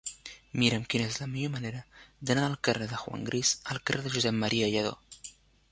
Mira'm quina és la millor manera d'anar del carrer de Juan Gris al carrer de Josep M. Lladó.